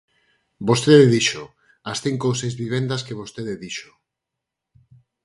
Vostede dixo: as cinco ou seis vivendas que vostede dixo.